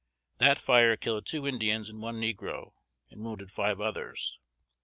That fire killed two Indians and one negro, and wounded five others.